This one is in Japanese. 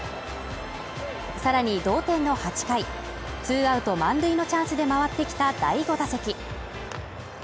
さらに同点の８回ツーアウト満塁のチャンスで回ってきた第５打席。